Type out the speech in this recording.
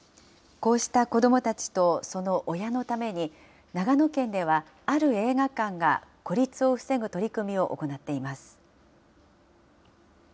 こうした子どもたちとその親のために、長野県では、ある映画館が孤立を防ぐ取り組みを行っています。